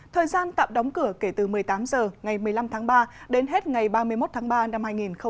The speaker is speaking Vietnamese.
thời gian tạm đóng cửa kể từ một mươi tám h ngày một mươi năm tháng ba đến hết ngày ba mươi một tháng ba năm hai nghìn hai mươi